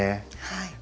はい。